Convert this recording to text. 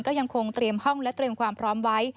ก็ยังคงเตรียมห้องและเตรียมความพร้อมไว้